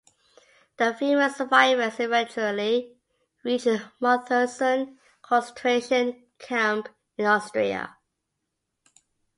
The female survivors eventually reached Mauthausen concentration camp in Austria.